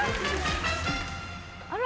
あら？